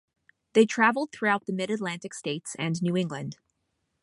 They traveled throughout the Mid-Atlantic states and New England.